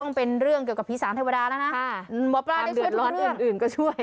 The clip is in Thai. ก็เป็นเรื่องกับพิศาสตร์ไทยวดานะฮะห้างเหมือนร้อนอื่นก็ช่วย